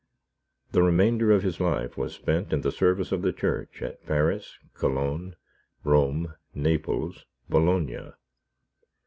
The remainder of his life was spent in the service of the Church at Paris, Cologne, Rome, Naples, Bologna.